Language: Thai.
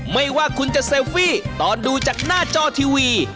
ไม่ว่าคุณจะเซลฟี่ตอนดูจากหน้าจอทีวี